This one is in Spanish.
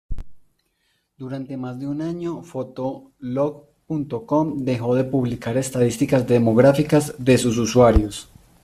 Durante más de un año Fotolog.com dejó de publicar estadísticas demográficas de sus usuarios.